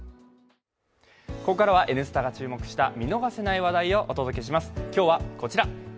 ここからは「Ｎスタ」が注目した見逃せない話題をお届けします。